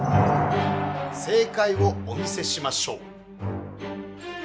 正かいをお見せしましょう。